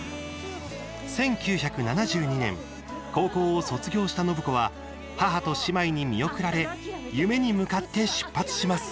１９７２年高校を卒業した暢子は母と姉妹に見送られ夢に向かって出発します。